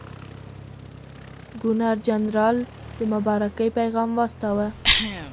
ګورنرجنرال د مبارکۍ پیغام واستاوه.